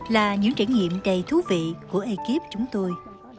là những trải nghiệm đầy thú vị của ekip chúng tôi